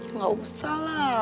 enggak usah lah